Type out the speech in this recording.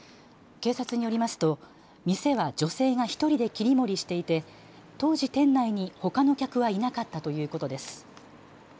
警察によりますと店は女性が１人で切り盛りしていて当時店内にほかの客はいなかったということです。